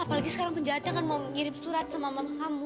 apalagi sekarang penjajah kan mau ngirip surat sama mama kamu